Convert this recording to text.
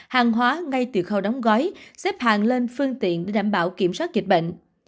hàng hóa ngay từ khâu đóng gói xếp hàng lên phương tiện để đảm bảo kiểm soát dịch bệnh